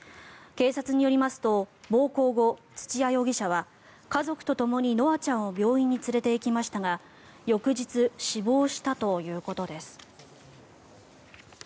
警察によりますと暴行後、土屋容疑者は家族とともに夢空ちゃんを病院に連れていきましたが翌日、死亡したということです。